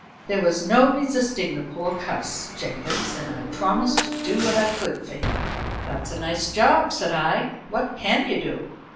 "There was no resisting the poor cuss, Jenkins, and I promised to do what I could for him." "That's a nice job," said I. "What can you do?"